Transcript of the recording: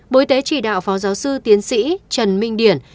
bối tế chỉ đạo phó giáo sư tiến sĩ trần minh điển